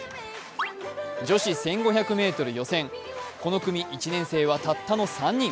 女子１５００ｍ予選、この組、１年生はたったの３人。